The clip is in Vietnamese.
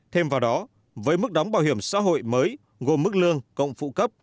thêm vào đó với mức đóng bảo hiểm xã hội mới gồm mức lương cộng phụ cấp